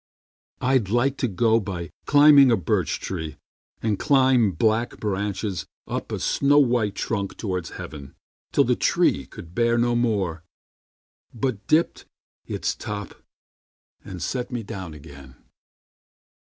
I'd like to go by climbing a birch tree, And climb black branches up a snow white trunk Toward heaven, till the tree could bear no more, But dipped its top and set me down again.